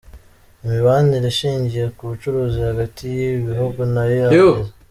Imibanire ishingiye ku bucuruzi hagati y’ibi bihugu nayo yahagaze.